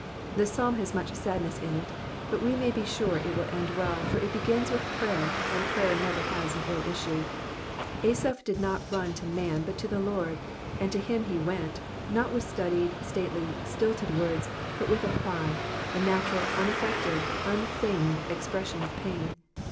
^^ This Psalm has much sadDess in it, but we may be sure it will end well, for it begins with prayer, and prayer never has an ill issue. Asaph did not run to man but to the Lord, and to him he went, not with studied, stately, stilted words, but with a cry, the natural, unaffected, unfeigned expression of pain.